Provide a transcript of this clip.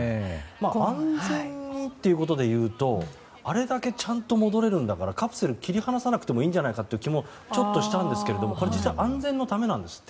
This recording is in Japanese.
安全にということで言うとあれだけちゃんと戻れるならカプセル、切り離さなくてもいいんじゃないかとそういう気もしちゃうんですけど実は安全のためなんですって。